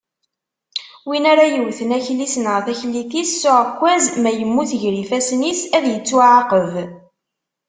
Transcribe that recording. Win ara yewwten akli-s neɣ taklit-is s uɛekkaz, ma yemmut gar ifassen-is, ad ittuɛaqeb.